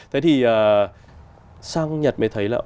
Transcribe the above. thế thì sang nhật mới thấy là